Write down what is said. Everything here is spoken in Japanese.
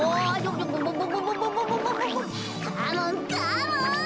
カモンカモン。